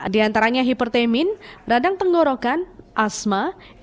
diantaranya hipertemin radang tenggorokan asma